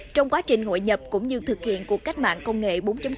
trong quá trình hội nhập cũng như thực hiện cuộc cách mạng công nghệ bốn